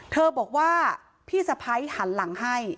เธอบอกว่าพี่สะพ้ายหันหลังให้